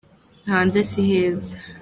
hanze siheza